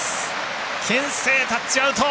けん制タッチアウト！